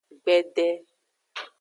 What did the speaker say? Gbede.